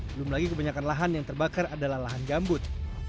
belum lagi kebanyakan lahan yang terbakar adalah lahan gambut